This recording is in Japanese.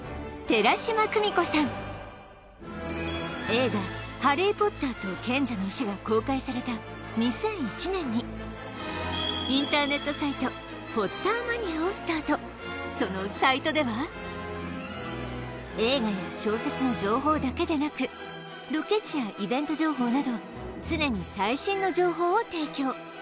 映画「ハリー・ポッターと賢者の石」が公開された２００１年にインターネットサイト「ポッターマニア」をスタートそのサイトでは映画や小説の情報だけでなくロケ地やイベント情報など常に最新の情報を提供